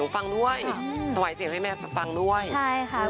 สวัสดีครับเห็นว่าให้ตาหวัดก่อนนี้ค่ะดีครับ